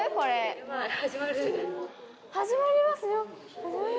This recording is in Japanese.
始まりますよ。